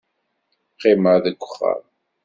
Qqimeɣ deg uxxam.